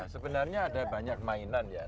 sebenarnya ada banyak mainan ya